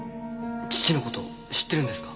父の事知ってるんですか？